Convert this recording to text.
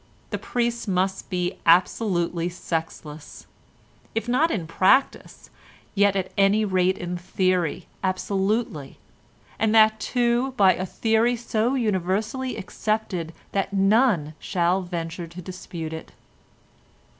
The priest must be absolutely sexless—if not in practice, yet at any rate in theory, absolutely—and that too, by a theory so universally accepted that none shall venture to dispute it."